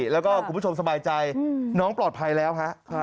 แล้วก็คุณผู้ชมสบายใจน้องปลอดภัยแล้วฮะ